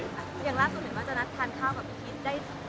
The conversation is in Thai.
อย่างล่าสุดเห็นว่าจะนัดทานข้าวกับพี่พีชได้